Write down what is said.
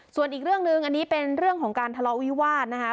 ส่วนอีกเรื่องหนึ่งอันนี้เป็นเรื่องของการทะเลาะวิวาสนะคะ